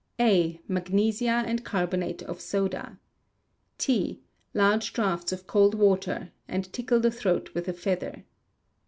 A. Magnesia and carbonate of soda. T. Large draughts of cold water, and tickle the throat with a feather.